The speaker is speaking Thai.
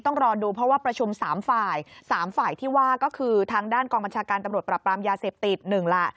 ต้องรอดูเพราะว่าประชุม๓ฝ่าย๓ฝ่ายที่ว่าก็คือทางด้านกองบัญชาการตำรวจปรับปรามยาเสพติด๑แหละ